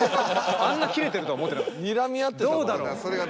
あんなキレてるとは思ってなかった。